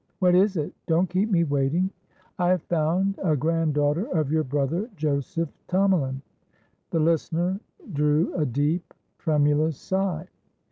"What is it? Don't keep me waiting." "I have found a grand daughter of your brother Joseph Tomalin." The listener drew a deep, tremulous sigh.